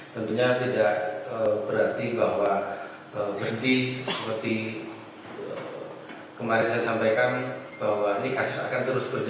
tentunya tidak berarti bahwa berhenti seperti kemarin saya sampaikan bahwa ini kasus akan terus berjalan